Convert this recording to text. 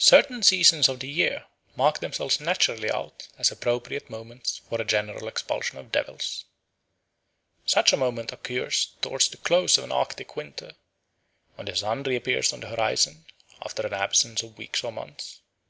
Certain seasons of the year mark themselves naturally out as appropriate moments for a general expulsion of devils. Such a moment occurs towards the close of an Arctic winter, when the sun reappears on the horizon after an absence of weeks or months.